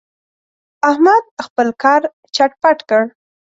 احمد خپل کار چټ پټ کړ.